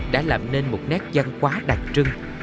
đã làm nên một nét văn hóa đặc trưng